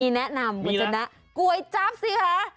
นี่แนะนำกว่าจะนะกรวยจับสิคะ